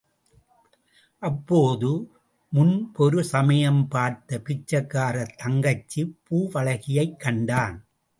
அப்போது, முன்பொரு சமயம் பார்த்த பிச்சைக்காரத் தங்கச்சி பூவழகியைக் கண்டான்.